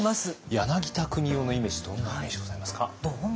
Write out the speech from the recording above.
柳田国男のイメージどんな印象ございますか？